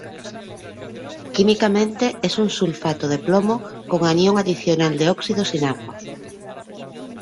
Químicamente es un sulfato de plomo con anión adicional de óxido, sin agua.